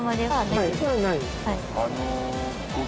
はい。